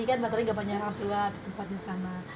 kan mbak tari gak banyak orang keluar di tempatnya sana